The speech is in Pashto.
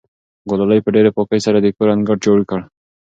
ګلالۍ په ډېرې پاکۍ سره د کور انګړ جارو کړ.